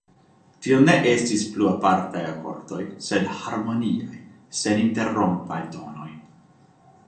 Tio ne estis plu apartaj akordoj, sed harmoniaj, seninterrompaj tonoj.